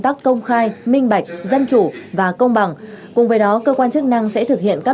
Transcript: tác công khai minh bạch dân chủ và công bằng cùng với đó cơ quan chức năng sẽ thực hiện các